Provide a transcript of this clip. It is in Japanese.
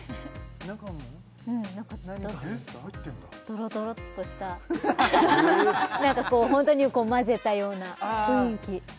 ドロドロッとした何かホントに混ぜたような雰囲気